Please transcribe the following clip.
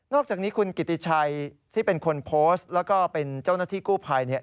อกจากนี้คุณกิติชัยที่เป็นคนโพสต์แล้วก็เป็นเจ้าหน้าที่กู้ภัยเนี่ย